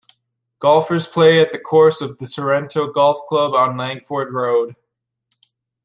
Golfers play at the course of the Sorrento Golf Club on Langford Road.